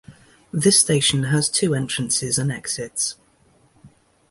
This station has two entrances and exits.